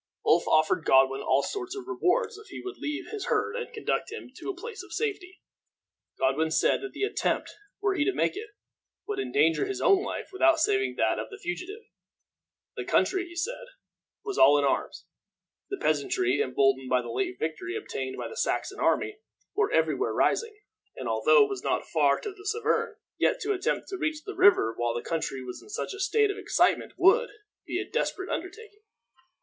Ulf offered Godwin all sorts of rewards if he would leave his herd and conduct him to a place of safety. Godwin said that the attempt, were he to make it, would endanger his own life without saving that of the fugitive. The country, he said, was all in arms. The peasantry, emboldened by the late victory obtained by the Saxon army, were every where rising; and although it was not far to the Severn, yet to attempt to reach the river while the country was in such a state of excitement would be a desperate undertaking.